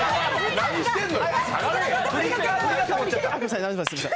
何してんの！